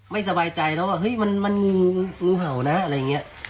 ไม่สบายใจเนอะว่าเฮ้ยมันงูเห่านะอะไรอย่างนี้